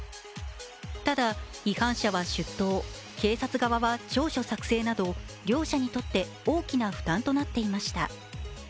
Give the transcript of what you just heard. ただ、違反者は出頭、警察側は調書作成など両者にとって大きな負担となっていました。